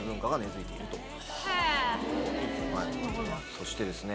そしてですね